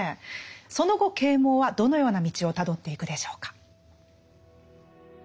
その後啓蒙はどのような道をたどっていくでしょうか。